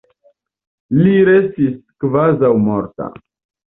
Li restis kvazaŭ morta.